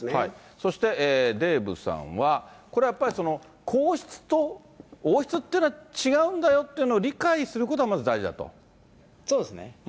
そしてデーブさんは、これはやっぱりその皇室と王室というのは違うんだよというのを理そうですね。